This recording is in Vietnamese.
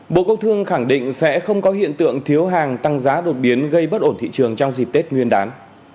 bộ công thương khẳng định sẽ không có hiện tượng thiếu hàng tăng giá đột biến gây bất ổn thị trường trong dịp tết nguyên đán